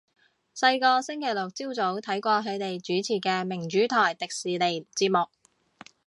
細個星期六朝早睇過佢哋主持嘅明珠台迪士尼節目